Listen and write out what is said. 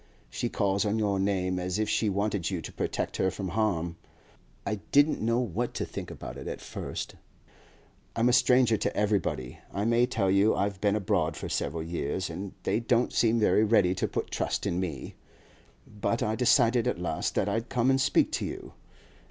She calls on your name, as if she wanted you to protect her from harm. I didn't know what to think about it at first. I'm a stranger to everybody—I may tell you I've been abroad for several years—and they don't seem very ready to put trust in me; but I decided at last that I'd come and speak to you.